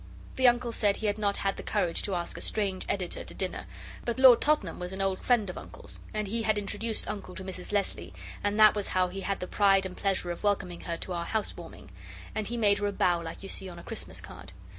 The Uncle said he had not had the courage to ask a strange editor to dinner; but Lord Tottenham was an old friend of Uncle's, and he had introduced Uncle to Mrs Leslie, and that was how he had the pride and pleasure of welcoming her to our house warming. And he made her a bow like you see on a Christmas card.